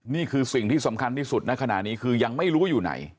นี่คือสิ่งที่สำคัญที่สุดในขณะนี้คือยังไม่รู้ว่าอยู่ไหน